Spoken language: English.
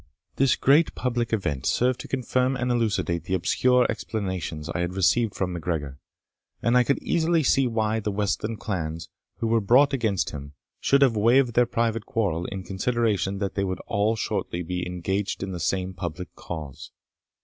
This great public event served to confirm and elucidate the obscure explanations I had received from MacGregor; and I could easily see why the westland clans, who were brought against him, should have waived their private quarrel, in consideration that they were all shortly to be engaged in the same public cause.